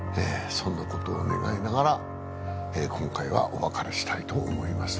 そんなことを願いながら今回はお別れしたいと思います